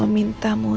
terima kasih bu